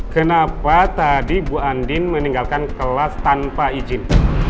kenapa tadi bu andin meninggalkan kelas tanpa izin